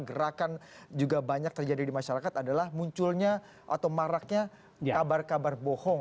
gerakan juga banyak terjadi di masyarakat adalah munculnya atau maraknya kabar kabar bohong